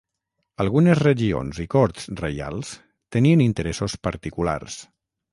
Algunes regions i corts reials tenien interessos particulars.